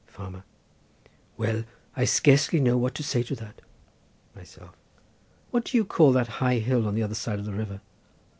Farmer.—Well, I scarcely know what to say to that. Myself.—What do you call that high hill on the other side of the river?